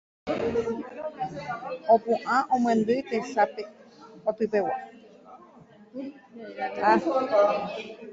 opu'ã omyendy tesape kotypegua